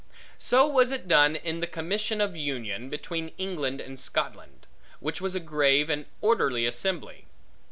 So was it done in the Commission of Union, between England and Scotland; which was a grave and orderly assembly.